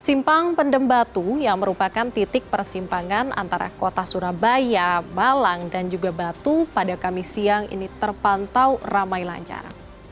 simpang pendem batu yang merupakan titik persimpangan antara kota surabaya malang dan juga batu pada kamis siang ini terpantau ramai lancar